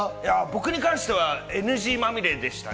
僕に関してはＮＧまみれでした。